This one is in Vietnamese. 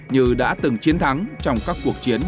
như đã từng chiến thắng trong các cuộc chiến